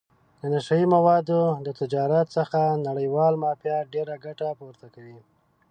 د نشه یي موادو د تجارت څخه نړیواله مافیا ډېره ګټه پورته کوي.